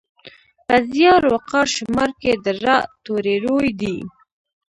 په زیار، وقار، شمار کې د راء توری روي دی.